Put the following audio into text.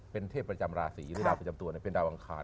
เป็นเทพประจำราศีหรือดาวประจำตัวเป็นดาวอังคาร